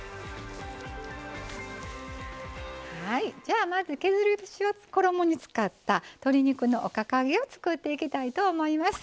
じゃあまず削り節を衣に使った鶏肉のおかか揚げを作っていきたいと思います。